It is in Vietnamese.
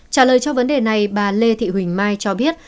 trả lời cho vấn đề này bà lê thị huỳnh mai cho biết